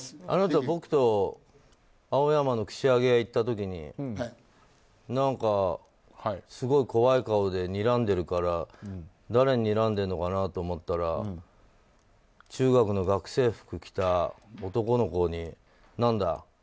あなた、僕と青山の串揚げ屋行った時にすごい怖い顔でにらんでるから誰にらんでるのかなと思ったら中学の学生服着た男の子に何だ？